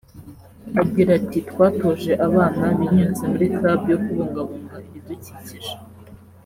agira ati “Twatoje abana binyuze muri Club yo kubungabunga ibidukikije